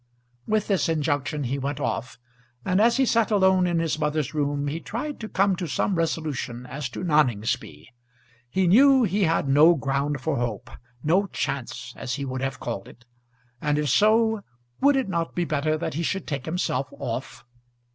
With this injunction he went off, and as he sat alone in his mother's room he tried to come to some resolution as to Noningsby. He knew he had no ground for hope; no chance, as he would have called it. And if so, would it not be better that he should take himself off?